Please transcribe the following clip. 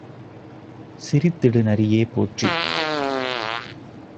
சிரித்திடு நரியே போற்றி!